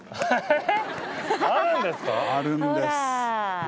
あるんです。